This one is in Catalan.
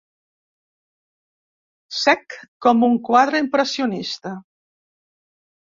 Sec com un quadre impressionista.